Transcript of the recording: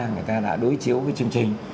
người ta đã đối chiếu với chương trình